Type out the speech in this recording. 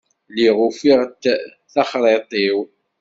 Lliɣ ufiɣ-d taxṛiṭ-iw.